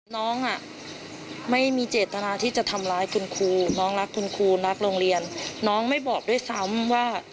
น้องอ่ะไม่มีเจตนาที่จะทำร้ายคุณครูน้องรักคุณครูรักโรงเรียนน้องไม่บอกด้วยซ้ำว่า